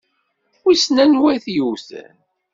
Wissen anwa i t-yewwten?